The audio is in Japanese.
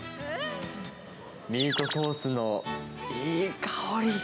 ミートソースのいい香り。